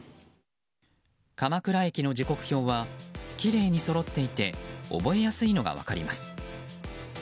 鎌倉駅の時刻表はきれいにそろっていて覚えやすいのが分かります。